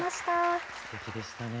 すてきでしたね。